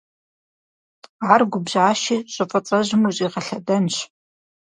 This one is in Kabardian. Ар губжьащи щӀы фӀыцӀэжьым ущӀигъэлъэдэнщ.